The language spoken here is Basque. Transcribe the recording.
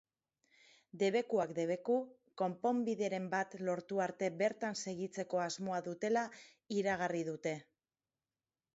Debekuak debeku, konponbideren bat lortu arte bertan segitzeko asmoa dutela iragarri dute.